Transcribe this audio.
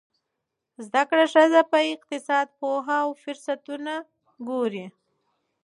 زده کړه ښځه په اقتصاد پوهه ده او فرصتونه ګوري.